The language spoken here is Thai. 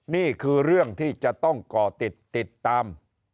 นี่คือเรื่องที่จะต้องก่อติดติดตาม